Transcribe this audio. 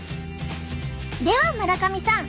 では村上さん